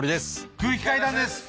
空気階段です。